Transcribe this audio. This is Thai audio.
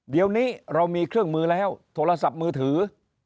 เดี๋ยวนี้เรามีเครื่องมือแล้วโทรศัพท์มือถือ